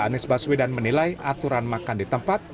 anies baswedan menilai aturan makan di tempat